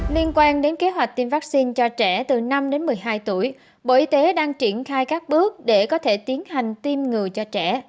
liên quan đến kế hoạch tiêm vaccine cho trẻ từ năm đến một mươi hai tuổi bộ y tế đang triển khai các bước để có thể tiến hành tiêm ngừa cho trẻ